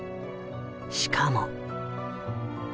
しかも。